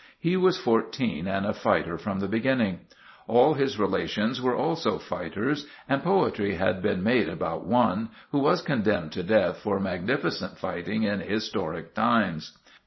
He was fourteen, and a fighter from the beginning. All his relations were also fighters, and poetry had been made about one, who was condemned to death for magnificent fighting in historic times.